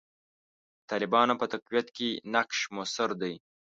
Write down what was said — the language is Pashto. د طالبانو په تقویت کې نقش موثر دی.